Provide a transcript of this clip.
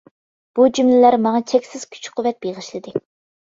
بۇ جۈملىلەر ماڭا چەكسىز كۈچ-قۇۋۋەت بېغىشلىدى.